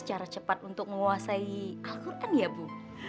cara cepat untuk menguasai al quran ya bu